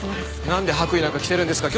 なんで白衣なんか着てるんですか。